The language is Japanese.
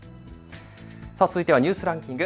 続いてはニュースランキング。